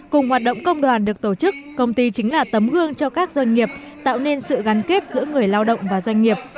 cùng hoạt động công đoàn được tổ chức công ty chính là tấm gương cho các doanh nghiệp tạo nên sự gắn kết giữa người lao động và doanh nghiệp